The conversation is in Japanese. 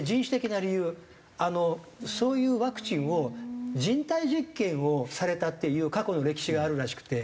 あのそういうワクチンを人体実験をされたっていう過去の歴史があるらしくて。